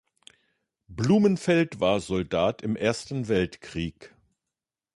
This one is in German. Blumenfeld war Soldat im Ersten Weltkrieg.